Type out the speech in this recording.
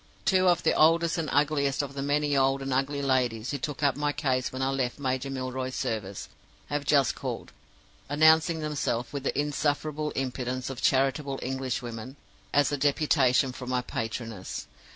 "Two of the oldest and ugliest of the many old and ugly ladies who took up my case when I left Major Milroy's service have just called, announcing themselves, with the insufferable impudence of charitable Englishwomen, as a deputation from my patronesses.